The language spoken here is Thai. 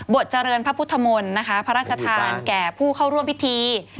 เจริญพระพุทธมนต์นะคะพระราชทานแก่ผู้เข้าร่วมพิธี